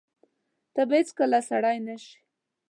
ته به هیڅکله سړی نه شې !